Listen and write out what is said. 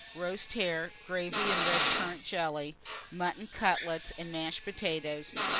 Roast hare, gravy, and red currant jelly; mutton cutlets and mashed potatoes.